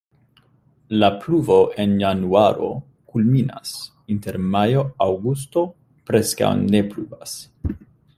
La pluvo en januaro kulminas, inter majo-aŭgusto preskaŭ ne pluvas.